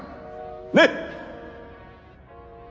ねっ。